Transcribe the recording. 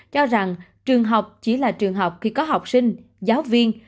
cho rằng trường học chỉ là trường học khi có học sinh giáo viên